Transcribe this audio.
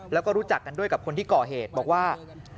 แล้วก็รู้จักกันด้วยกับคนที่ก่อเหตุบอกว่า